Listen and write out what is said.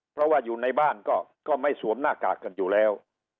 เพราะว่าอยู่ในบ้านก็ไม่สวมหน้ากากกันอยู่แล้ว